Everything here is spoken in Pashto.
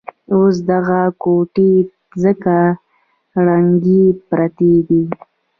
اوس دغه کوټې ځکه ړنګې پرتې دي.